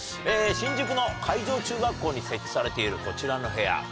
新宿の海城中学校に設置されているこちらの部屋。